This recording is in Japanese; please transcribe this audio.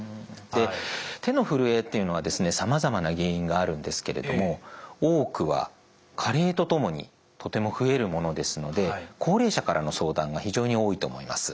で手のふるえっていうのはさまざまな原因があるんですけれども多くは加齢とともにとても増えるものですので高齢者からの相談が非常に多いと思います。